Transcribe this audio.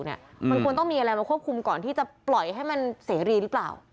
มันควรต้องมีอะไรมาควบคุมก่อนที่จะปล่อยให้มันเสรีหรือเปล่า